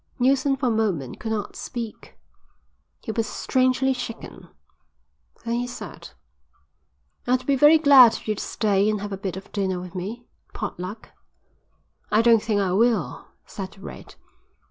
Neilson for a moment could not speak. He was strangely shaken. Then he said: "I'd be very glad if you'd stay and have a bit of dinner with me. Pot luck." "I don't think I will," said Red.